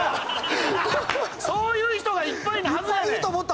そういう人がいっぱいなはずやねん！